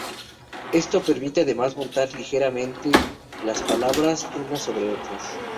Esto permite, además montar ligeramente las palabras unas sobre otras.